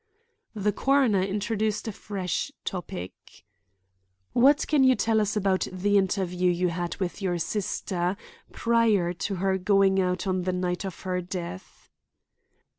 The coroner introduced a fresh topic. "What can you tell us about the interview you had with you sister prior to her going out on the night of her death?"